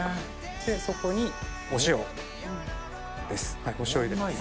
そこにお塩ですお塩を入れます。